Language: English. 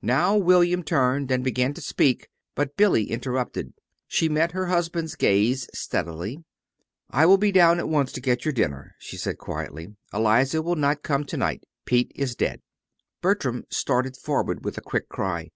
Now William turned and began to speak, but Billy interrupted. She met her husband's gaze steadily. "I will be down at once to get your dinner," she said quietly. "Eliza will not come to night. Pete is dead." Bertram started forward with a quick cry.